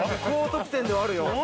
高得点ではあるよ。